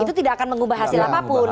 itu tidak akan mengubah hasil apapun